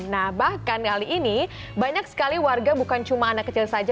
nah bahkan kali ini banyak sekali warga bukan cuma anak kecil saja